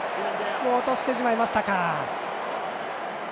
落としてしまいましたか。